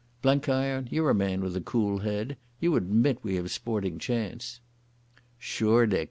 Blenkiron, you're a man with a cool head. You admit we've a sporting chance." "Sure, Dick.